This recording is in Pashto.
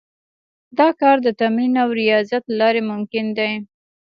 دا کار د تمرين او رياضت له لارې ممکن دی.